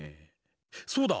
そうだ！